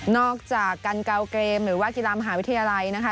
อกจากการเกาเกมหรือว่ากีฬามหาวิทยาลัยนะคะ